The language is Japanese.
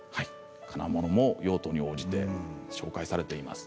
用途に応じて紹介されています。